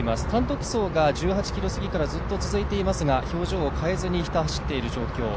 単独走が１８ｋｍ過ぎからずっと続いていますが表情を変えず、ひた走っている状況